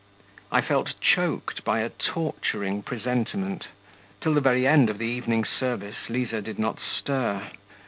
I felt choked by a torturing presentiment. Till the very end of the evening service, Liza did not stir.